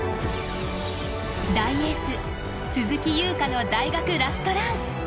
大エース鈴木優花の大学ラストラン。